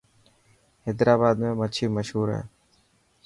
حيدرآباد ۾ مڇي مشهور هي.